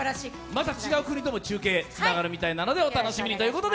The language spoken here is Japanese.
また違う国とも中継つながるのでお楽しみに。